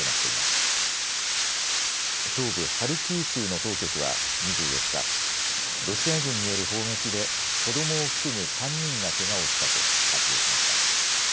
ハルキウ州の当局は２４日、ロシア軍による砲撃で子どもを含む３人がけがをしたと発表しました。